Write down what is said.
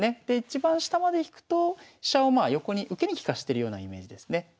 でいちばん下まで引くと飛車をまあ横に受けに利かしてるようなイメージですね。